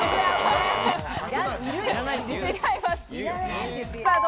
違います。